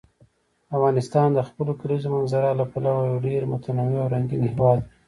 افغانستان د خپلو کلیزو منظره له پلوه یو ډېر متنوع او رنګین هېواد دی.